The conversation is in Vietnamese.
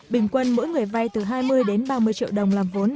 bình quân mỗi người vay từ hai mươi đến ba mươi triệu đồng làm vốn